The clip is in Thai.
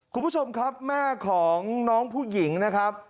คุณผู้ชมครับแม่ของน้องผู้หญิงนะครับ